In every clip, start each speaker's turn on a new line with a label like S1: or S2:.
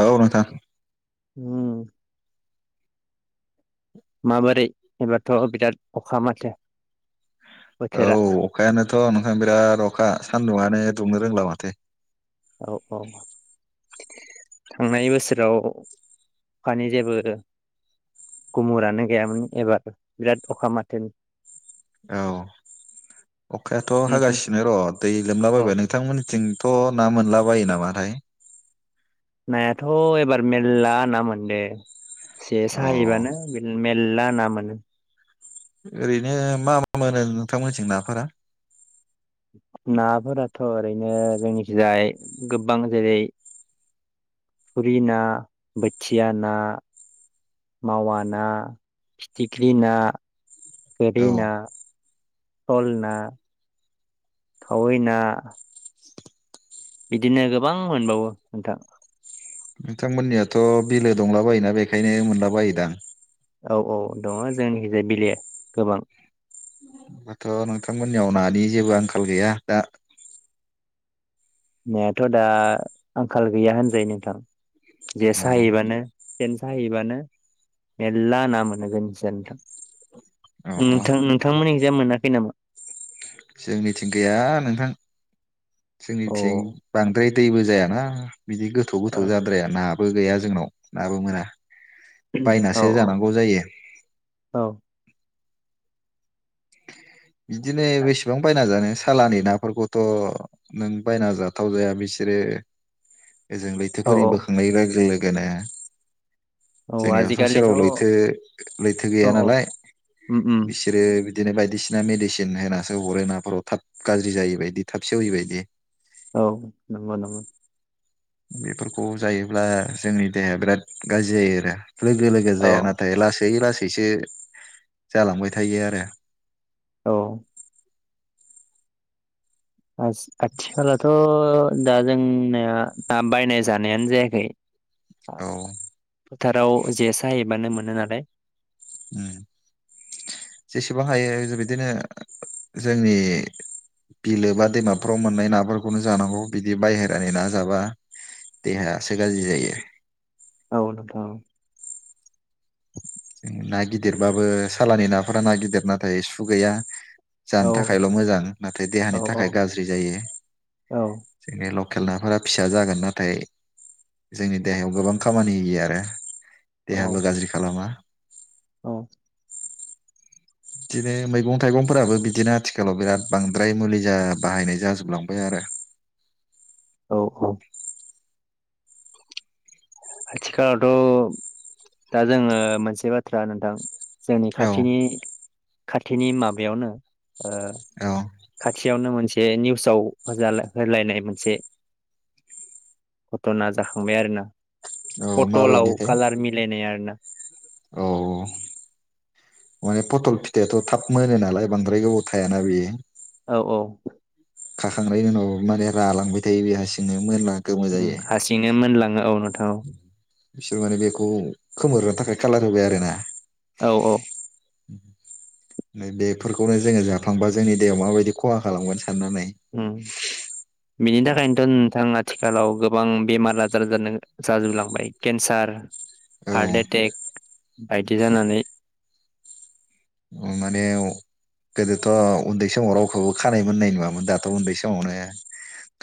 S1: औ नोंथां।
S2: होम। माबोरै? एबारथ' बिराद खा माथो।
S1: औ
S2: बोथोरा
S1: अखायानोथ' नोंथां बिराद अखा सान्दुंआनो दुंनो रोंला माथो।
S2: औ औ थांनाय बोसोराव अखानि जेबो गुमुरानो गैयामोन एबार बिराद अखा माथो।
S1: औ अखायाथ'
S2: नोंथिं
S1: हागासिनो र' दै
S2: औ
S1: लोमलाबायबाय नोंथांमोननिथिं थ' ना मोनलाबायो नामाथाय
S2: नायाथ' एबार मेरला ना मोनदे । से
S1: औ
S2: साहै बानो [unintelligible] एला ना मोनो ।
S1: ओरैनो मा मा मोनो नोंथांमोनथिं नाफोरा?
S2: नाफोराथ' ओरैनो जोंनिथिजाय गोबां जेरै थुरि ना बोथिया ना मावा ना फिथिख्रि ना। गोरि
S1: औ
S2: ना। सल ना। खावै ना। बिदिनो गोबां मोनबावो नोंथां।
S1: नोंथांमोनियाथ' बिलो दंला बायोना बेखायनो मोनला बायो दां।
S2: औ औ दङ जोंनिजे बिलो गोबां ।
S1: हाथ' नोंथांमोननियाव नानि जेबो आंखाल गैया दा।
S2: नायाथ' दा आंखाल गैया होनजायो नोंथां जे
S1: औ
S2: साहैबानो सेन साहैबानो मेरला ना मोनो जोंनिथिं जाय
S1: औ
S2: नोंथां
S1: औ
S2: नोंथां- नोंथांमोनिजाय मोनाखै नामा?
S1: जोंनिथिं गैया नोंथां।
S2: औ
S1: जोंनिथिं बांद्राय दैबो जायाना। बिदि गोथौ
S2: औ
S1: गोथौ जाद्राया ना। बो गैया जोंनाव नाबो मोना।
S2: औ
S1: बायनासो जानांगौ जायो।
S2: औ
S1: बिदिनो बेसेबां बायना जानो सालानि नाफोरखौथ' नों बायना जाथाव जाया बिसोरो ओजों लैथो
S2: औ
S1: फोरि बोखांनाय लोगो [unintelligible]
S2: औ
S1: [unintelligible] जोंनि हाखर
S2: आजिखालिथ'
S1: सेराव
S2: औ
S1: लैथो लैथो गैया
S2: औ
S1: नालाय
S2: उम उम
S1: बिसोरो बिदिनो बायदिसिना मेडिसिन होनासो हरो नाफोराव थाब गाज्रि जायि बायदि थाब सेवि बायदि।
S2: औ नंगौ नंगौ।
S1: बेफोरखौ जायोब्ला जोंनि देहाया बिराद गाज्रि जायो आरो। लोगो लोगो जाया
S2: औ
S1: नाथाय लासै लासै इसो जालांबाय थायो आरो।
S2: औ। आथिखलाथ'। दा जोंनिया दा बायनाय जानायानो जायाखै।
S1: औ।
S2: फोथाराव जे साहबानो मोनो नालाय।
S1: जेसेबां हायो बिदिनो जोंनि बिलो बा दैमाफोराव मोननाय नाफोरखौनो जानांगौ बिदि बायहेरानि ना जाबा देहायासो गाज्रि जायो।
S2: औ नोंथां।
S1: ना गिदिरबाबो सालानि नाफोरा ना गिदिर नाथाय सु गैया। जानो
S2: औ
S1: थाखायल' मोजां नाथाय
S2: औ
S1: देहानि थाखाय गाज्रि जायो
S2: औ
S1: जोंनि लखेल नाफोरा फिसा जागोन नाथाय जोंनि देहायाव गोबां खामानि होयो आरो। देहाबो
S2: औ
S1: गाज्रि खालामा।
S2: औ।
S1: बिदिनो मैगं थाइगंफोराबो बिदिनो आथिखालाव बिराद बांद्राय मुलि जा बाहायनाय जाजोबलांबाय आरो।
S2: औ औ। आथिखालावथ' दा जोंङो मोनसे बाथ्रा नोंथां जोंनि
S1: औ
S2: खाथिनि खाथिनि माबायावनो ओ
S1: औ
S2: खाथि थियावनो मोनसे निउसाव होजा होलायनाय मोनसे घटना जाखांबाय आरो ना।
S1: औ
S2: फटलाव
S1: माबायदिथाय
S2: कालार मिलायनाय आरोना।
S1: औ। माने पथल फिथायाथ' थाब मोनो नालाय बांद्राय गोबाव थायाना बियो।
S2: औ औ।
S1: खाखांनायनि उनाव माने रालांबाय थायो बे हासिंनो मोनना
S2: ओं हारसिंनो मोनलांङो औ नों औ।
S1: बिसोर माने बेखौ खोमोनो थाखाय खालार होबाय आरो ना।
S2: औ औ।
S1: बेफोरखौनो जोंङो जाफ्रांबा जोंनि देेहायाव माबायदि खहा खालामगोन सो सानना नाय
S2: उम बिनि थाखायनोथ' नोंथां आथिखालाव गोबां बेमार आजार जानो जाजोबलांबाय केन्सार
S1: औ
S2: हार्ट एटेक बायदि जानानै
S1: माने अ गोदोथ' उन्दै समाव रावखौबो खानाय मोननाय नुवामोन दाथ' उन्दै समावनो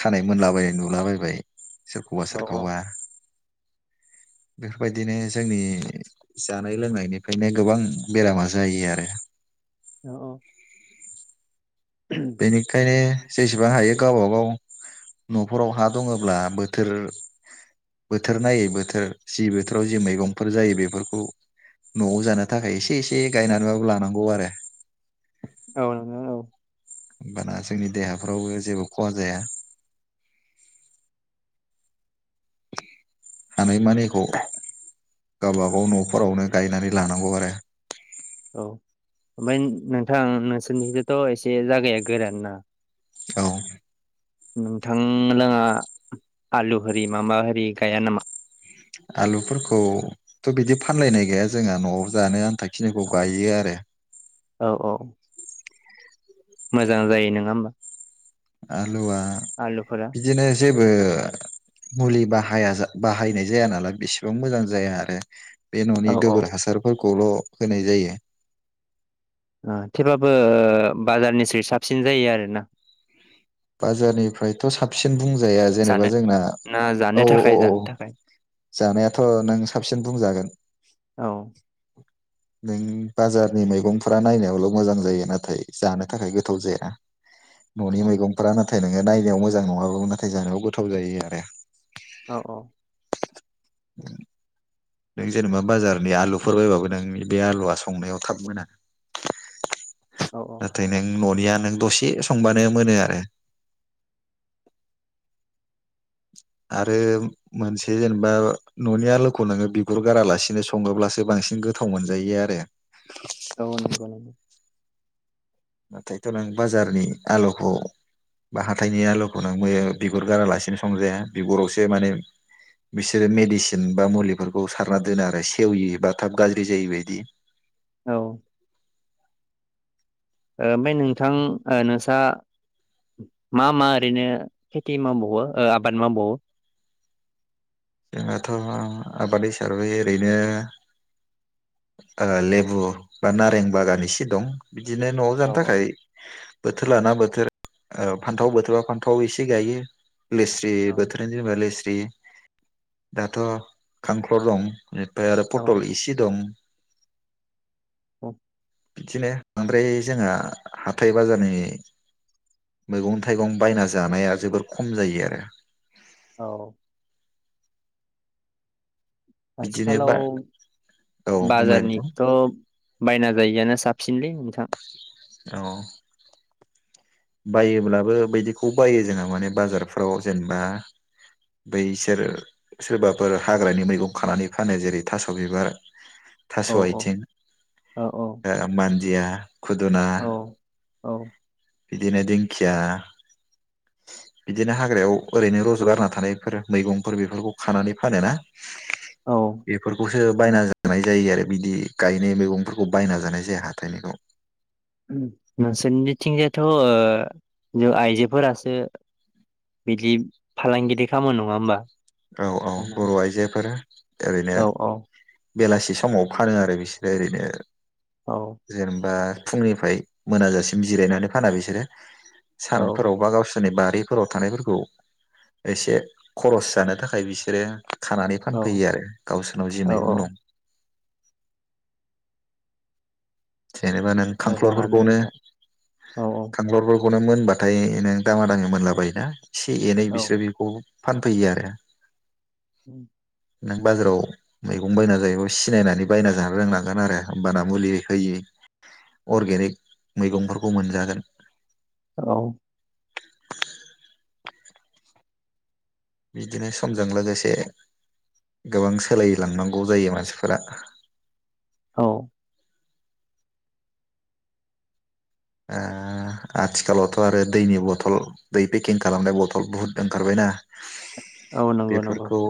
S1: खानाय मोनलाबाय नुलाबायबाय। सोरखौबा
S2: औ औ
S1: सोरखौबा बेफोरबायदिनो जोंनि जानाय लोंनायनिफ्रायनो गोबां बेरामा जायो आरो
S2: औ औ
S1: बेेनिखायनो जेसेबां हायो गावबागाव न'फोराव हा दंङब्ला बोथोर बोथोर नायै बोथोर जि बोथोराव जि मैगंफोर जायो बेफोरखौ न'आव जानो थाखाय एसे एसे गायनानैबाबो लानांगौ आरो।
S2: औ नोंथां औ
S1: होमबाना जोंनि देहाफ्रावबो जेबो खहा जाया। हानायमानिखौ गावबागाव न'फोरावनो गायनानै लानांगौ आरो।
S2: औ ओमफ्राय नो नोंथां नोंसोरनिथथ' एसे जायागाया गोरान ना?
S1: औ
S2: नोंथां लोङा आलु होरि मा मा होरि गाया नामा?
S1: आलुफोरखौथ' बिदि फानलायनाय गैया जोंहा न'आव जानो आन्था खिनिखौ गायो आरो।
S2: औ औ मोजां जायो नङा होमबा?
S1: आ लुवा
S2: आलुफोरा
S1: बिदिनो जेबो मुलि बाहाया जा- बाहायनाय जाया नालाय बेसेबां मोजां जाया आरो। बे न'नि
S2: औ औ
S1: हासारफोरख खौल' होनाय जायो।
S2: ओ थेवब्लाबो बाजारनिस्रुय साबसिन जायो आरोना।
S1: बाजारनिफ्रायथ' साबसिन बुंज जाया जेनेबा
S2: जानो
S1: जोंना
S2: ना जानो
S1: औ
S2: थाखाय
S1: औ औ
S2: जानो थाखाय
S1: जानायाथ' नों साबसिन बुंजागोन।
S2: औ औ
S1: नों बाजारनि मैगंफ्रा नायनायावल' मोजां जायो नाथाय जानो थाखाय गोथाव जाया न'नि मैगंफोरा नाथाय नोङो नायनायाव मोजां नङाब्लाबो नाथाय जानायाव गोथाव जायो आरो।
S2: औ
S1: नों जेनेबा बाजारनि आलुफोर बायबाबो नोंनि बे आलुआ संनायाव थाब मोना।
S2: औ औ
S1: नाथाय नों न'निया नों दसे संबानो मोनो आरो। आरो मोनसे जेनेबा न'नि आलुखौ नोङो बिगुर गारालासिनो सङोब्लासो बांसिन गोथाव मोनजायो आरो।
S2: औ नंगौ ओं।
S1: नाथायथ' नों बाजारनि आलुखौ बा हाथाइनि आलुखौ नों मै बिगुर गारालासिनो संजाया बिगुरावसो माने बिसोरो मेडिसिन बा मुलिफोरखौ सारना दोनो आरो सेविबा थाब गाज्रि जायो बायदि।
S2: औ। ओमफ्राय नोंथां ओ नोंसा मा मा ओरैनो खेथि मावबावो ओ आबाद मावबावो?
S1: जोंहाथ' आबाद हिसाबै ओरैनो ओ-लेबु बा नारें बागान एसे दं। बिदिनो न'आव
S2: औ
S1: जानो
S2: औ
S1: थाखाय बोथोर लाना बोथोर ओ फान्थाव बोथोरा फान्थाव एसे गायो। लेस्रि
S2: औ
S1: बोथोर जेब्ला लेस [unintelligible] दाथ' खांख्ल' दं । इनिफ्राय आरो
S2: औ
S1: पटल इसे दं ।
S2: औ ।
S1: बिदिनो बांद्राय जोंहा हाथाइ बाजारनि मैगं थाइगं बायना जानाया जोबोर खम जायो आरो
S2: औ ।
S1: बिदिनो बा
S2: आथिखालाव
S1: औ बुंलाय नोंथां
S2: बाजारनिखौथ' बायना जायैयानो साब सिनलै नोंथां ।
S1: औ । बायोब्लाबो बिदिखौ बायो जोंहा माने बाजारफ्राव जेनेबा बैसोर सोरबाफोर हाग्रानि मैगं खानानै फानो जेरै थास' बिबार
S2: औ
S1: थास'
S2: औ
S1: आथिं
S2: औ औ
S1: ओ मान दिया । खुदना
S2: औ औ
S1: बिदिनो दिंखिया बिदिनो हाग्रायाव ओरैनो रज' गारना थानायफोर मैगंफोर बेफोरखौ खानानै फानो ना
S2: औ
S1: बेफोरबो सो बायना जानाय जायो आरो बिदि गायनाय मैगंफोरखौ बायना जानाय जाया हाथथायनिखौ ।
S2: नोंसोरनिथिंजाय थ' ओ आइजोफोरासो बिदि फालांगिरि खामो नङा होमबा?
S1: औ औ बर' आइजोफोर ।
S2: औ औ
S1: बेलासि समाव फानो आरो बिसोरो ओरैनो
S2: औ
S1: जेनेबा फुंनिफ्राय मोनाजासिम जिरायनानै फाना बिसोरो ।
S2: औ
S1: सानफोरावबा गावसोर बारिफोराव थानायफोरखौ एसे खरस जानो थाखाय बिसोरो खानानै फानफैयो आरो गावसोरनाव जि
S2: औ
S1: मैगं
S2: औ
S1: दं । जेनेबा नों
S2: मोजाङानो
S1: खांख्लरफोरखौनो
S2: नोंथां औ
S1: खांख्लरफोरखौ खौनो मोनबाथाय नों दामा दामि मोनलाबायायोना एसे एनै
S2: औ
S1: बिसोरो बेखौ फानफैयो आरो
S2: [inaudible]
S1: नों बाजाराव मैगं बायना जायोबा सिनायनानै बायना जानो रोंनांगोन आरो होमबाना मुलि होयै अर्गेनिक मैगंफोरखौ मोनजागोन
S2: औ
S1: बिदिनो समजों लोगोसे गोबां सोलायलांनांगौ जायो मानसिफोरा।
S2: औ
S1: अ आथिखालावथ आरो दैनि बथल दै पेकिं खालामनाय बथल बुहुद ओंखारबायना?
S2: औ नंगौ नंगौ
S1: बेफोरखौ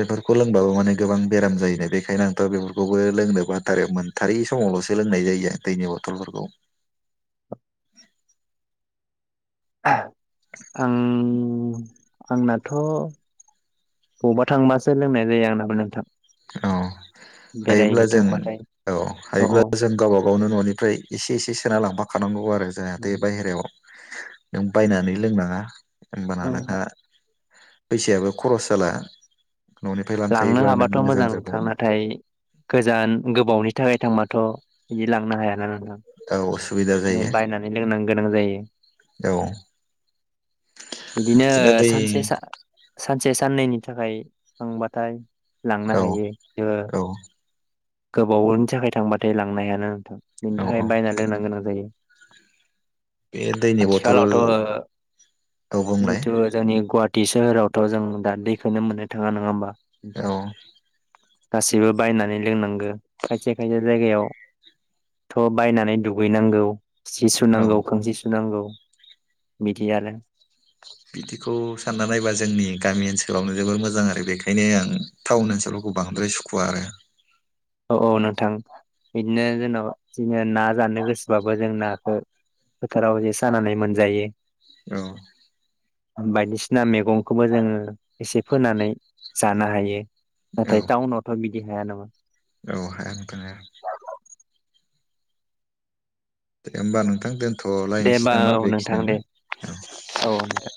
S1: बेफोरखौ लोंबाबो माने गोबां बेराम जायोनो बेखायनो आंथ बेफोरखौबो लोंनो बाथारो। मोनथारै समावलसो लोंनाय जायो दैनि बथलफोरखौ।
S2: आं आंनाथ‌ बबावबा थांबासो लोंनाय जायो आंनाबो नोंथां।
S1: औ हायोब्ला
S2: बेरायनो
S1: जों
S2: थांबाथाय
S1: औ हायोब्ला जों गावबा गाव गावनो न'निफ्राय एसे एसे सोना लांफाखानांगौ औ आरो जोंहा
S2: औ
S1: बे बाहहेरायाव नों बायनानै लोंनाङा होनबाना
S2: औ
S1: नोंहा फैसायाबो खरस जाला ननिफ्राय
S2: लांनो
S1: लांखायोबा नों
S2: हाबाथ'
S1: मोजां
S2: मोजां
S1: जाबाय
S2: नोंथां नाथाय गोजान गोबावनि थाखाय थांबाथ' बिदि लांनो हायाना नोंथां।
S1: औ सुबिदा जायो
S2: बायनानै लोंनां गोनां जायो
S1: औ
S2: बिदिनो सानसे सानसे साननैनि थाखाय थांबाथाय लांनो
S1: औ
S2: हायो ओ
S1: औ
S2: गोबावनि थाखाय थांबाथाय लांनो हायाना नोंथां। बेनि
S1: औ औ
S2: थाखाय बायनानै लोंनो गोनां जायो।
S1: बे दैनि बथल
S2: आथिखालावथ'
S1: औ बुंलाय
S2: जिथु जोंनि गुवा हाटी सोहोरावथ' जों दा दैखोननो मोननो थाङा नङा होमबा
S1: औ
S2: नोंथां? गासैबो बायनानै लोंनां गो खायसे खायसे जायगायाव थ' बायनानै दुगैनांगौ। सि
S1: औ
S2: सुनांगौ, खांसि सुनांगौ। बिदि आरो।
S1: बिदिखौ सानना नायबा जोंनि गामि ओनसोलावनो जोबोर मोजां आरो बेखायनो आं टाउन ओनसोलफोरखौ बांद्राय सुखुवा आरो।
S2: औ औ नोंथां बिदिनो जेन जिङो ना जानो गोसोबाबो जों नाखौ फोथाराव जे सानानै मोनजायो।
S1: औ।
S2: बायदिसिना मैगंखौबो जोङो एसे फोनानै जानो हायो।
S1: औ
S2: नाथाय टाउनावथ' बि दि हाया नामा
S1: औ हाया नोंथां हाया। दे होमबा नोंथां दोन
S2: दे होमबा औ नोंथां दे औ नोंथां।